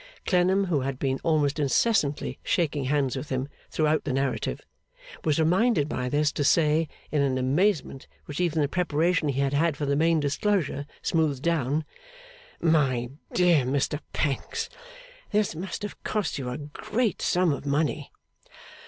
Clennam, who had been almost incessantly shaking hands with him throughout the narrative, was reminded by this to say, in an amazement which even the preparation he had had for the main disclosure smoothed down, 'My dear Mr Pancks, this must have cost you a great sum of money.